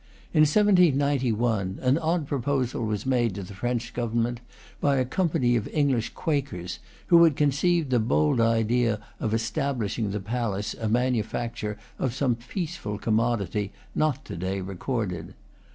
In 1791 an odd proposal was made to the French Government by a company of English Quakers who had conceived the bold idea of establishing in the palace a manufacture of some peaceful commodity not to day recorded.